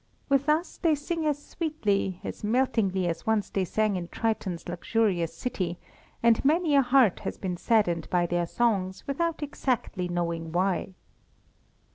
With us they sing as sweetly, as meltingly as once they sang in Triton's luxurious city, and many a heart has been saddened by their songs without exactly knowing why.